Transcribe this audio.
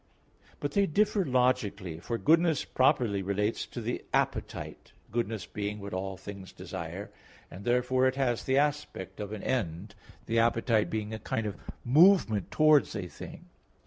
But they differ logically, for goodness properly relates to the appetite (goodness being what all things desire); and therefore it has the aspect of an end (the appetite being a kind of movement towards a thing).